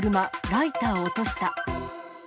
ライター落とした。